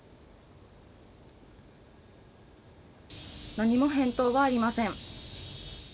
何も返答がありません。